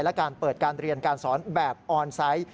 และการเปิดการเรียนการสอนแบบออนไซต์